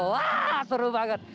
wah seru banget